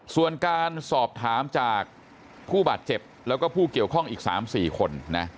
ส่วนการสอบถามจากผู้บาดเจ็บแล้วก็ผู้เกี่ยวข้องอีก๓๔คน